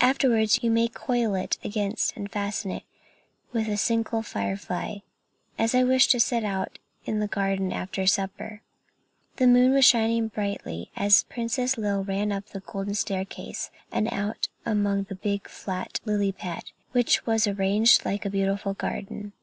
Afterwards you may coil it again and fasten it with a single firefly, as I wish to sit out in the garden after supper." The moon was shining brightly as the Princess Lil ran up the golden staircase and out upon the big flat lily pad, which was arranged like a beautiful garden.